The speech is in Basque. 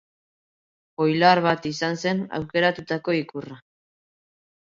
Oilar bat izan zen aukeratutako ikurra.